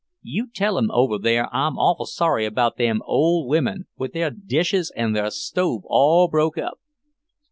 "You tell 'em over there I'm awful sorry about them old women, with their dishes an' their stove all broke up."